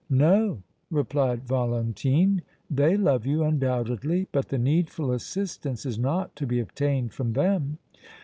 "No," replied Valentine. "They love you, undoubtedly, but the needful assistance is not to be obtained from them."